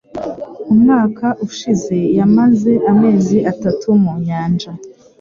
Umwaka ushize, yamaze amezi atatu mu nyanja.